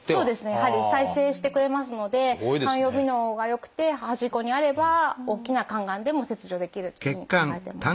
やはり再生してくれますので肝予備能が良くて端っこにあれば大きな肝がんでも切除できるというふうに考えています。